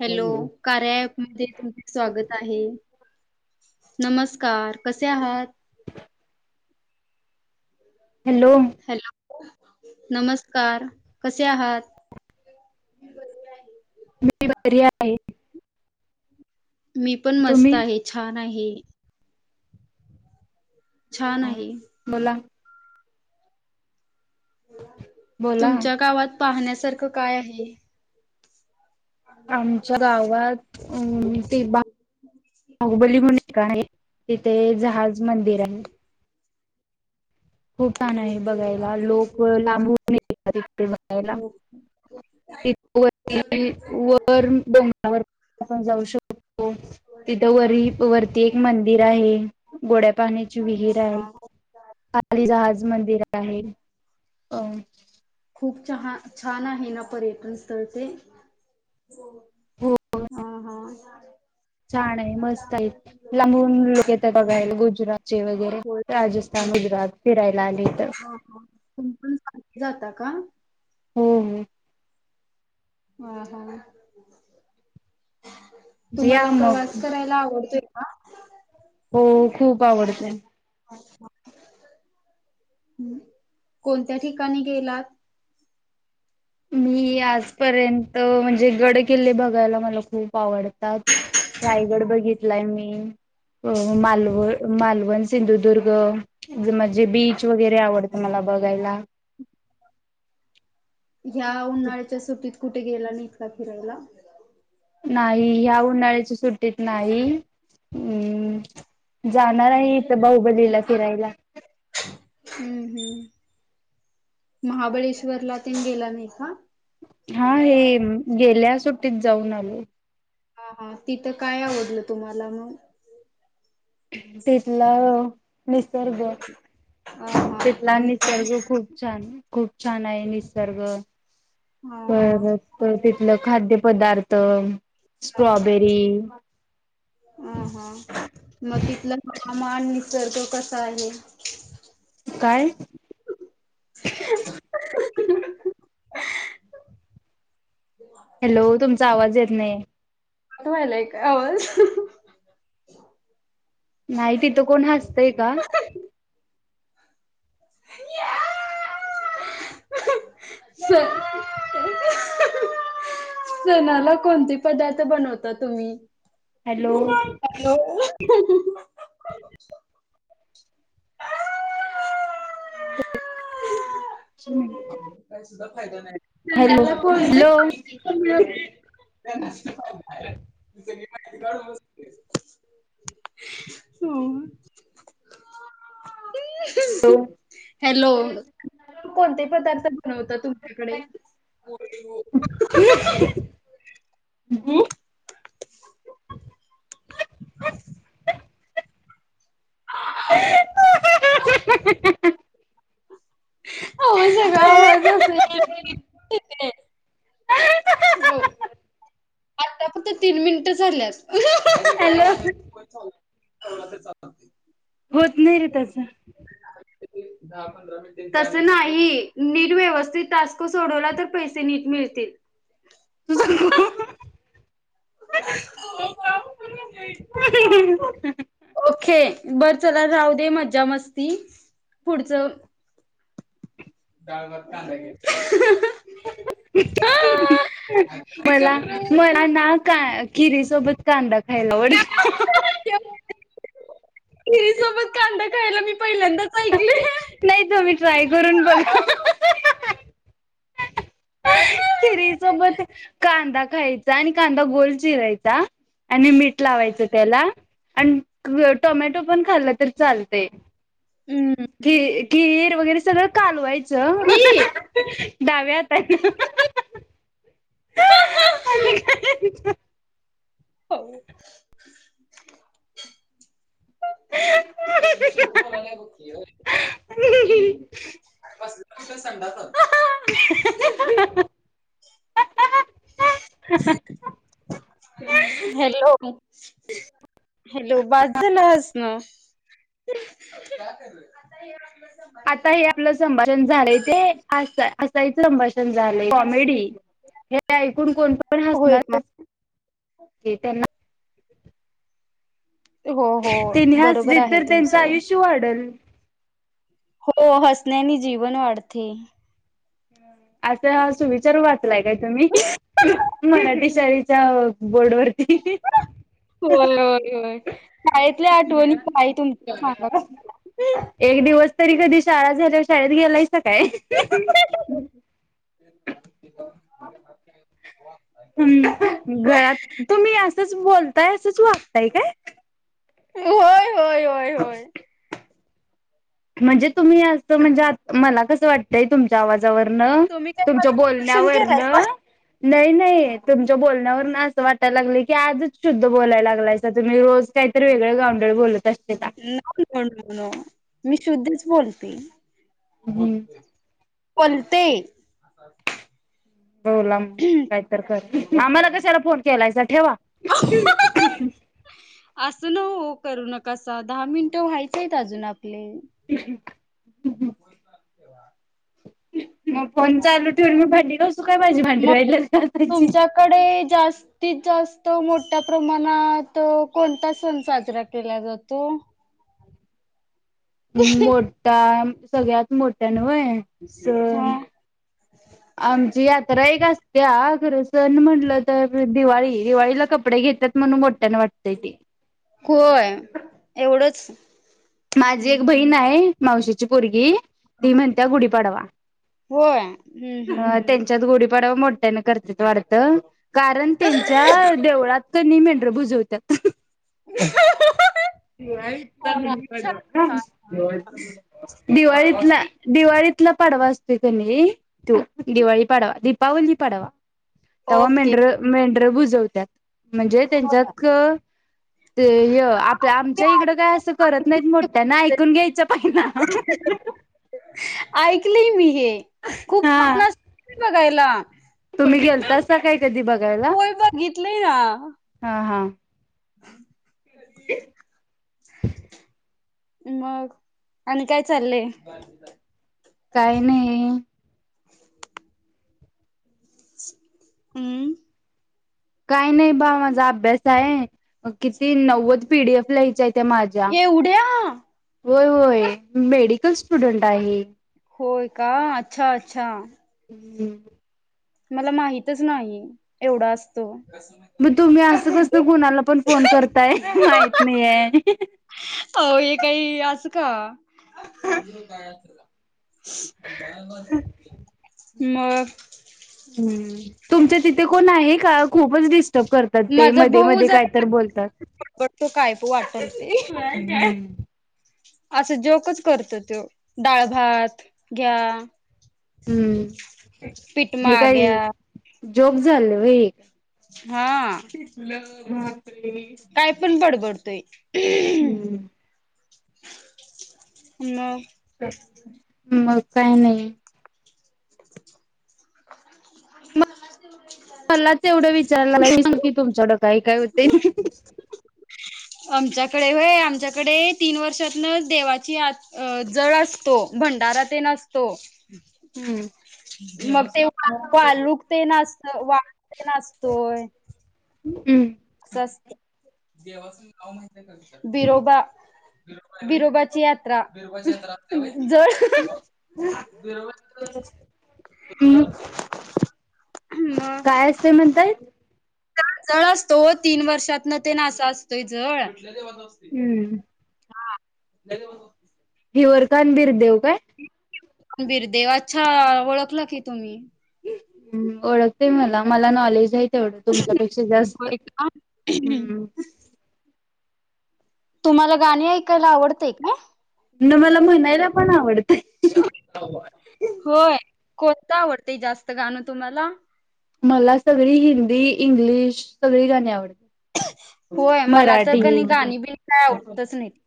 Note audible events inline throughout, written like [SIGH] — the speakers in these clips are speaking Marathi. हॅलो कार्या प मध्ये तुमचं स्वागत आहे. नमस्कार कसे आहात? [UNINTELLIGIBLE] Hello hello. नमस्कार कसे आहात? मी बरी आहे. मी पण तुम्ही मस्त आहे छान आहे. [UNINTELLIGIBLE] छान आहे. बोला बोला तुमच्या गावात पाहण्यास सारखं काय आहे? आमच्या गावात अ ते बा बाहुबली म्हणून एक काय? तिथे एक जहाज मंदिर हाय. हम. खूप छान आहे बघायला लोक लांबून येतात इथे बघायला, हो तिथं वरती वर डोंगरावर आपण जाऊ शकतो, तिथ वरी वरती एक मंदिर आहे गोड्या पाण्याची विहीर आहे. राज मंदिर आहे. अ खूप छा छान आहे ना, पर्यटन स्थळ ते? हो. हो हा हा. छान! आहे मस्त आहे, लांबून लोक येतात बघायला गुजरात चे वगैरे राजस्थान, गुजरात फिरायला ह आले तर ह फोन [UNINTELLIGIBLE] जाता का? ह हम. आ हा. या तुम्हाला मग प्रवास करायला आवडतोय? आ [UNINTELLIGIBLE] हो, खूप आवडते. अ ह [UNINTELLIGIBLE] हम कोणत्या ठिकाणी गेलात? मी आज पर्यंत म्हणजे, जे गड किल्ले बघायला, मला खूप आवडतं. परत रायगड बघितलाय मी मालव- मालवण, सिंधुदुर्ग मग बीच वगैरे आवडतं मला बघायला. [INAUDIBLE] ह्या उन्हाळ्याच्या सुटीत कुटे गेला नित का फिरायला? नाही, ह्या उन्हाळ्याची सुट् तेत नाही, अम् जाणार आहे इथं बाहुबलीला फिरायला. हम्म-हम्म, महाबळेश्वरला तेन गेला नाही का? हा हे गेल्या सुट्टीत जाऊन आलोय. हा हा तिथं काय आवडलं तुम्हाला मग? तिथला निसर्ग, हा हा तिथला आणि काय? निसर्ग खूप छान खूप छान आहे निसर्ग. हा हा परत तिथलं खाद्य पदा अ म [INAUDIBLE] अ ह म तिथलं [UNINTELLIGIBLE] मांनी. जर् तो कसा आहे? काय? [INAUDIBLE] हॅलो, तुमचा आवाज येत नाहीये. तुम्हाला यालाय का आवाज? [INAUDIBLE] नाही तिथं कोण हसतंय का? सल सणाला कोणते पदार्थ बनवता तुम्ही? हॅलो [INAUDIBLE] हॅलो तेनाला कोण पे हॅलो मिळत [INAUDIBLE] [INAUDIBLE] सो [UNINTELLIGIBLE] [INAUDIBLE] हॅलो, कोणते? त्याच बनवता तुमच्याकडे. [INAUDIBLE] [INAUDIBLE] [INAUDIBLE] आवाज सगळा बाहीरं जातोय. [UNINTELLIGIBLE] हो. आत्ता फक्त तीन मिनिट झा झालेत. हॅलो [INAUDIBLE] [INAUDIBLE] भेटली तिथंच. [INAUDIBLE] तसं नाही. नीट व्यवस्थित टास क सोडवला तर पैसे नीट मिळ तील. तुझा [INAUDIBLE] हो का मला माहित नाही. ओके बर चला राहू दे मज्जा मस्ती पुढच. [INAUDIBLE] [INAUDIBLE] खरी सोबत कांदा खायला मी पहिल्यांदाच ऐकले नाही तु म्ही ट्राय करून बघा. खीर सोबत कांदा खायचा आणि कांदा गोल चिरायचा आणि मीठ लावायच त्याला आणि टोमॅटो पण खाल्ला तर चालते. हम्म गीर वगैरे सगळं कालवायचं ही डाव्या हाताने हो. [UNINTELLIGIBLE] [INAUDIBLE] [UNINTELLIGIBLE] आणि हॅलो हॅलो बास झाल आज. ह. आता हे आपलं संभाषण झालंय ते अस असंहीच संभाषण झालंय. मेडी हे ऐकून कोण पण होय का हसणारच की त्यांना [INAUDIBLE] हो हो त्यांने बरोबर हसलीत आहे तर त्यांचं तुमचं. आयुष्य वाढल. हो हसण्यानी जीवन वाढते. असं सुविचार वाचलाय का तुम्ही मराठी शाळेच्या बोर्ड वरती होय होय होय. शाळेतल्या आठवणी काय तुमच्या सांगा? एक दिवस तरी कधी शाळा झाल्या शाळेत. [UNINTELLIGIBLE] ह घरात तुम्ही असंच बोलताय असंच वागताय काय. होय होय होय होय [INAUDIBLE] म्हणजे तुम्ही असं म्हणजे आ. मला कसं वाटतंय तुमच्या आवाज तुम्ही काय तुमच्या माझं निरीक्षण बोलंयावरण केलायसा? नही, नही तुमच्या बोलंयावरण अस वाटया लागय की आजच शुद्ध बोलायला लागलाय तुम्ही रोज काहीतरी वेगळे गाउंडळ बोलत असते का. नो नो नो नो मी शुद्धीश बोलते. हम्म. पलते. बोलाम काहीत कर. आम्हाला कशाला फोन केलायसा ठेवा. असं न हो करू नका. कसा दहा मिनिटं व्हायचंयत अजून आपले. [INAUDIBLE] [UNINTELLIGIBLE] मग फोन चालू ठेवून मी भांडी घासू काय माझी भांडी मग राहिलित घासायची. ती जास्त मोठ्या प्रमाणात कोणता सण साजरा केला जातो. मोठा सगळ्यात मोठ्या नवय सण हा आमची यात्रा एक असते खरं सण म्हटलं तर दिवाळी दिवाळीला कप कपडे घेत. म्हणून बटण वाटतय ते अच्छा माझी एक बहीण आहे. मावशीची अजपरगी ती म्हणत्या गुढीपाडवा होय हम्म हम्म हम्म त्यांच्यात गुढीपाडवा मोठ्याने करत वाढत कारण त्यांच्या देवळात क म्ह प्रभुज होतात. इथ हा छान नाय छान दिवाळीतला दिवाळीत तला पाडवा असतो कनी तू दिवाळी पाडवा दीपावली पाडवा तेव्हा ओके मेंढर मेंढर बुजवतो. त्यात म्हणजे त्यांच्यात ते आप आमच्या इकडं काय असं करत. नाही मोठ्या ना ऐकून घ्यायच पाहि ना ऐकले मी हे खूप हा छ बघायला तुम्ही गेलतासा काय कधी बघायला? होय बघितलंय ना हा हा हम [UNINTELLIGIBLE] मग आणि काय? चालालय काय नाही हमम बस आहे. किती नव्वद पीडीएफ लियच्या त्या माझ्या एवढ्या होय होय मेडिकल स्टुडंट काही होय का अच्छा अच्छा ह. मला माहितच नाही एवढा असतो. न तुम्ही असं कसं कुणाला पण फोन करताय माहत नाहीये अ हे काही असं का मग हम्म. तुमच्या तिथे कोण आहे का खूपच डिस्टर्ब करतात ते माझा मध्ये भाऊ मध्ये जरा काहीत बोलतात. बडबडतो काय वाटल ते असं जोकच करत तो डाळ, भात घ्या हम्म. पीठ हे काय माग्या जोक झाल व्हय. हा [UNINTELLIGIBLE] तो ये. [UNINTELLIGIBLE] हम्म. [INAUDIBLE] म. मग. [UNINTELLIGIBLE] काही नाही. [UNINTELLIGIBLE] मलाच एवढं विचारला ला की, तुमच्याकडं काही काय होते? आमच्याकडे होय आमच्याकडे तीन वर्षातन देवाची आ जळ असतो भंडारा तेन असतो. मग ते [UNINTELLIGIBLE] हम्म. [UNINTELLIGIBLE] [UNINTELLIGIBLE] विरोबा विरोबाची यात्रा. जळ [INAUDIBLE] मग काय असते म्हणतायत? जळ असतो. तीन वर्षात न ते नासा असतोय जळ. हम्म हिवरकान [UNINTELLIGIBLE] बिरदेव काय? रणबीर देव अच्छा ओळखला की तुम्ही. ओळखते मला मला नॉलेज आहे तेवढं तुमच्यापेक्षा जास्त होय का हम्म. तुम्हाला गाणी ऐकायला आवडतय काय? न मला म्हणायला पण आवडतय. का आवडतय जास्त गाणं तुम्हाला? मला सगळी हिंदी 'इंग्लिश सगळी गाणी आवडते. होय मला तर कणी गाणी बि काय आवडतच नाइत.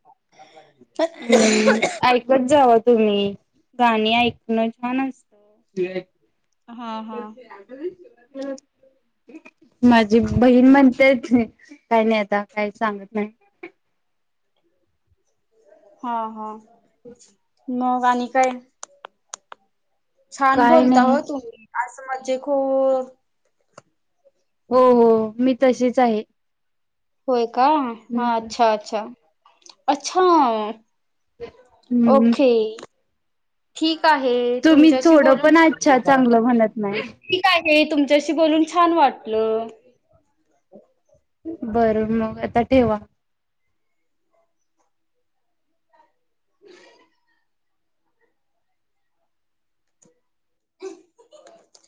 हम्म, ऐकत जावा तुम्ही, गाणी ऐकणं छान अस हा हा. माझी बहीण म्हणतेत काही नाही, आता काय सांगत नाही. हा हा. [UNINTELLIGIBLE] मग आणि काय? छान काय बोलता नाही हो तुम्ही आज म्हजे खू हो हो मी तशीच आहे. होय. कम. हा अच्छा अच्छा. अच्छा. हम्म ओके. ठीक आहे तुम्ही तुमच्याशी थोडं बोलून पण छान अच्छा, चांगलं म्हणत नाही. ठीक आहे तुम तशी बोलून छान वाटलं. बरं मग आता ठेवा. [UNINTELLIGIBLE]